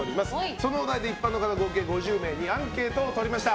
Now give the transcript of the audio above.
そのお題で一般の方合計５０名にアンケートを取りました。